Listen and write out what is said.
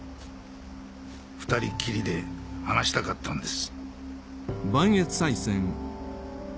２人きりで話したかったんです